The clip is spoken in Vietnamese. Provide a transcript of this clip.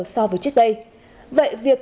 so với trước đây vậy việc